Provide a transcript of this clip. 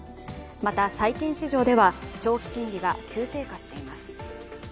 また、債券市場では長期金利が急低下しています。